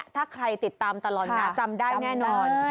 ถ้าใครติดตามตลอดนะจำได้แน่นอน